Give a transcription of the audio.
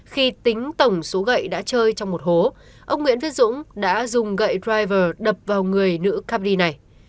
khi tính tổng số gậy đã chơi trong một hố ông nguyễn viết dũng đã dùng gậy driver đập vào người nữ cabin này